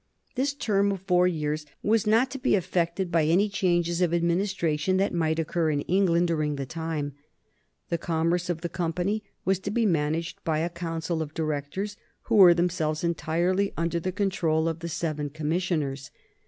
This term of four years was not to be affected by any changes of administration that might occur in England during the time. The commerce of the Company was to be managed by a council of directors, who were themselves entirely under the control of the seven commissioners.